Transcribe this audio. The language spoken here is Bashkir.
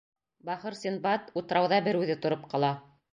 Бахыр Синдбад утрауҙа бер үҙе тороп ҡала.